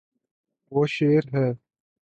وہ شیر ہے